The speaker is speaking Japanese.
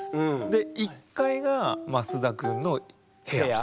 で１階が増田くんの部屋。